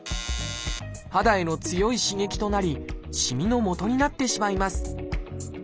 肌への強い刺激となりしみのもとになってしまいます